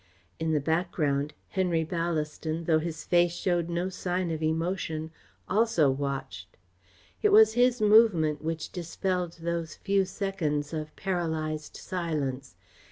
In the background Henry Ballaston, though his face showed no sign of emotion, also watched. It was his movement which dispelled those few seconds of paralysed silence.